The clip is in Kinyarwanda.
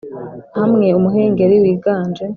hamwe umuhengeri wiganje